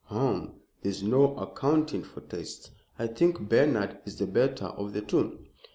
"Hum! there's no accounting for tastes. I think Bernard is the better of the two."